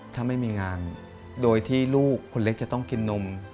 ถ้าไม่มีงานโดยที่ลูกคนเล็กจะต้องกินนม